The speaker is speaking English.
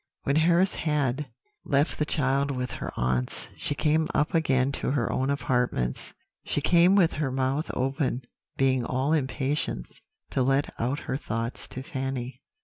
"When Harris had left the child with her aunts, she came up again to her own apartments. She came with her mouth open, being all impatience to let out her thoughts to Fanny.